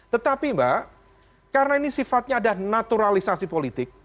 tetapi mbak karena ini sifatnya ada naturalisasi politik